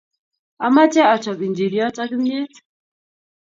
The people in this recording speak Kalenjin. Amache achop injiriot ak kimnyet